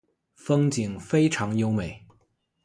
风景非常优美。